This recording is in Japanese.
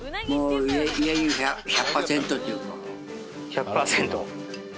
１００％。